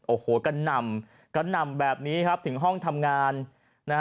โอ้โหก็นำแบบนี้ถึงห้องทำงาน